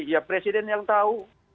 ya presiden yang tahu